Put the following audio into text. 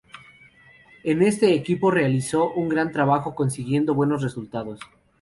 En este equipo realizó un gran trabajo consiguiendo buenos resultados.